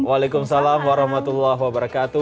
waalaikumsalam warahmatullahi wabarakatuh